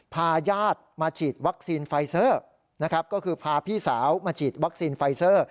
พาญาติมาฉีดวัคซีนไฟซ่อก็คือพาพี่สาวมาฉีดวัคซีนไฟซ่อ